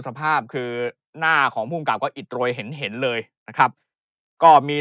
สภาพคือหน้าของภูมิกับก็อิดโรยเห็นเห็นเลยนะครับก็มี